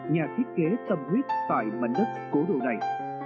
nhà thiết kế tâm huyết tại mảnh đất cố đồ này